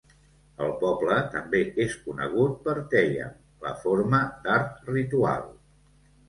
El poble també és conegut per Theyyam, la forma d'art ritual.